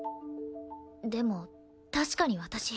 でも確かに私